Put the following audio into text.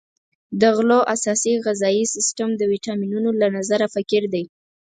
د غلو اساس غذایي سیستم د ویټامینونو له نظره فقیر دی.